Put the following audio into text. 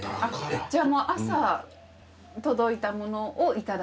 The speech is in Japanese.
じゃあもう朝届いたものをいただいてる。